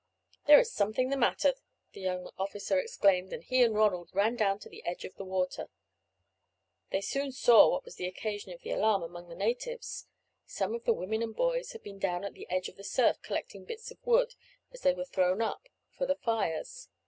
"There is something the matter," the young officer exclaimed; and he and Ronald ran down to the edge of the water. They soon saw what was the occasion of the alarm among the natives. Some of the women and boys had been down at the edge of the surf, collecting bits of wood, as they were thrown up, for their fires.